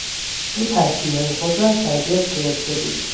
او تشبیه های خود را از طبیعت گرفته بود.